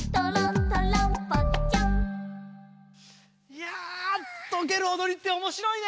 いやとけるおどりっておもしろいね！